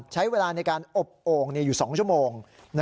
ใช้เวลาในการอบโอ่งอยู่๒ชั่วโมง